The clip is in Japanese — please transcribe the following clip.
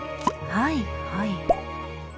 はいはい。